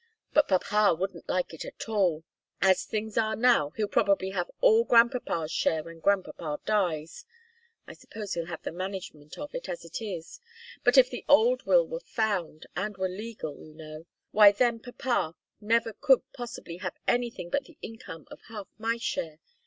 But papa wouldn't like it at all. As things are now, he'll probably have all grandpapa's share when grandpapa dies. I suppose he'll have the management of it as it is. But if the old will were found, and were legal, you know why then papa never could possibly have anything but the income of half my share.